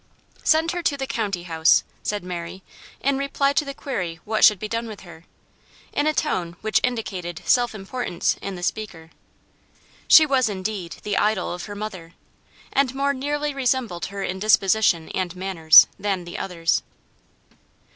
"Send her to the County House," said Mary, in reply to the query what should be done with her, in a tone which indicated self importance in the speaker. She was indeed the idol of her mother, and more nearly resembled her in disposition and manners than the others.